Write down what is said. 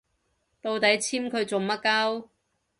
到底簽佢做乜 𨳊